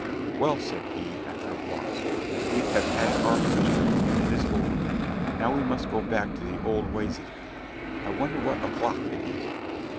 "Well," said he, after a pause, "we have had our pleasure, and it is over. Now we must go back to the old ways again. I wonder what o'clock it is?"